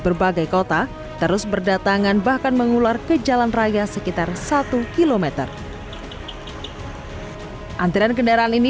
berbagai kota terus berdatangan bahkan mengular ke jalan raya sekitar satu km antrean kendaraan ini